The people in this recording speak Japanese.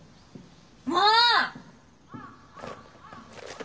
もう！